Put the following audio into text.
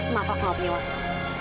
maaf aku nggak punya waktu